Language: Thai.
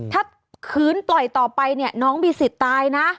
ถ้าคืนปล่อยต่อไปเนี่ยน้องมีสิทธิ์ตายนะ